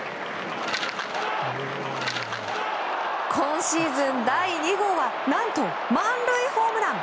今シーズン第２号は何と満塁ホームラン！